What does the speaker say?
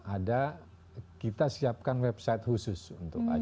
ada kita siapkan website khusus untuk acara